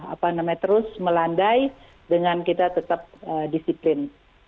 apa namanya terus melandai dengan kita tetap disiplin